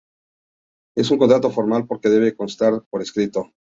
Es un contrato formal, porque debe constar por escrito.